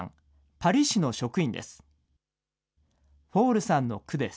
パリ市の職員です。